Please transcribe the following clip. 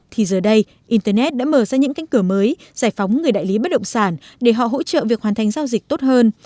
thì giờ đây internet đã mở ra những cánh cửa mới giải phóng người đại lý bất động sản để họ hỗ trợ việc hoàn thành giao dịch tốt hơn